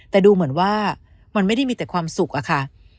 แต่ดูเหมือนว่ามันไม่ได้มีแต่ความสุขอะค่ะ